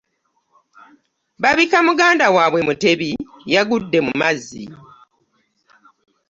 Babika muganda waabwe Mutebi, yagudde mu mazzi.